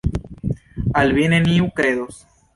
Al vi neniu kredos.